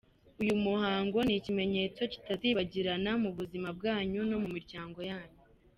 Uyu muhango ni ikimenyetso kitazibagirana mu buzima bwanyu no mu miryango yanyu.